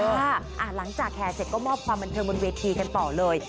ค่ะหลังจากแครเซตก็ค่อนข้างได้มอบความกันเทิงบนเวทีกันป่อนเลย